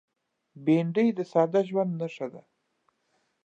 بېنډۍ د ساده ژوند نښه ده